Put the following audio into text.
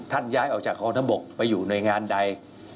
ท่านย้ายออกจากข้อระบบไปอยู่ในงานใด